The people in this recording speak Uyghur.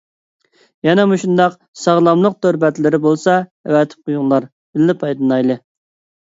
يەنە مۇشۇنداق ساغلاملىق تور بەتلىرى بولسا ئەۋەتىپ قويۇڭلار، بىللە پايدىلىنايلى.